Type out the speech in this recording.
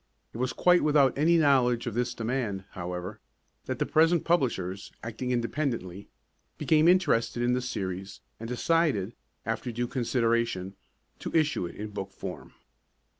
It was quite without any knowledge of this demand, however, that the present publishers, acting independently, became interested in the series, and decided, after due consideration, to issue it in book form.